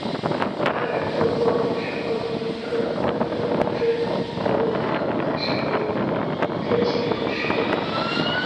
阿尔特霍芬是奥地利克恩顿州格兰河畔圣法伊特县的一个市镇。